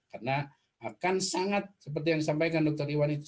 karena akan sangat seperti yang disampaikan dr iwan itu